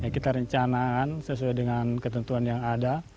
kita rencanakan sesuai dengan ketentuan yang ada